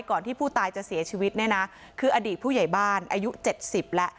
ก่อนที่ผู้ตายจะเสียชีวิตเนี่ยนะคืออดีตผู้ใหญ่บ้านอายุเจ็ดสิบและ